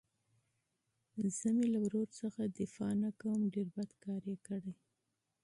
زه مې له ورور څخه دفاع نه کوم ډېر بد کار يې کړى.